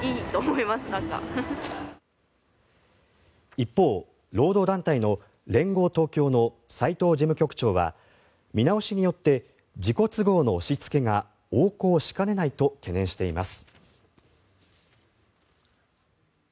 一方、労働団体の連合東京の斉藤事務局長は見直しによって自己都合の押しつけが横行しかねないと懸念しています。